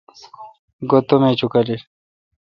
گو تم ایج اکالیل